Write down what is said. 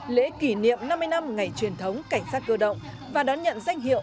lễ kỷ niệm năm mươi năm ngày truyền thống cảnh sát cơ động và đón nhận danh hiệu